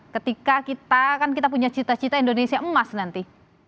ketika kita kan kita punya cita cita indonesia emas nanti